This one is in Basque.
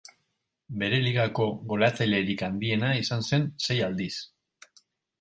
Bere ligako goleatzailerik handiena izan zen sei aldiz.